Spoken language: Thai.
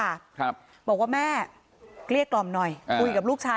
ครับบอกว่าแม่เกลี้ยกดอมหน่อยธุรกิจให้ดีกว่า